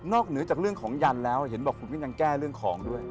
เหนือจากเรื่องของยันแล้วเห็นบอกคุณก็ยังแก้เรื่องของด้วย